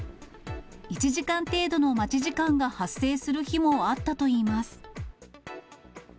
１時間程度の待ち時間が発生する日もあったといいます。